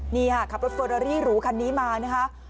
นี่ค่ะขับรถเฟอรารี่หรูคันนี้มานะคะ